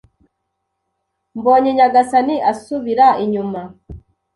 Mbonye nyagasani asubira inyuma